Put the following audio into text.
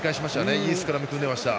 いいスクラム組んでいました。